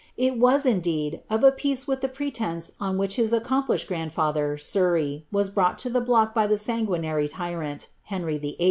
It was, indeed, of a piece with the pretence on which his accomplished grandfather, Surrey, was brought to the block by the sanguinary tyrant, Henry VIU.